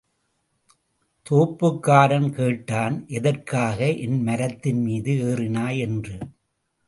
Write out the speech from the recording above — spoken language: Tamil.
தோப்புக்காரன் கேட்டான், எதற்காக என் மரத்தின் மீது ஏறினாய்? என்று.